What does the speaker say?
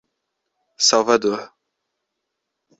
Salvador